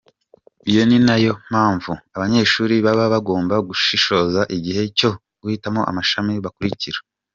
Iyo ni nayo mpamvu abanyeshuri baba bagomba gushishoza igihe cyo guhitamo amashami bakurikira.